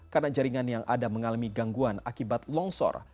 karena jaringan yang ada mengalami gangguan akibat longsor